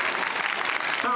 さあ